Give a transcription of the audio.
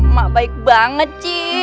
mak baik banget ci